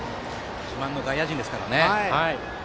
自慢の外野陣ですからね。